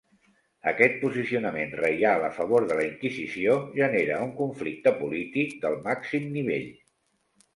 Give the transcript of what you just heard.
Aquest posicionament reial a favor de la inquisició, genera un conflicte polític del màxim nivell.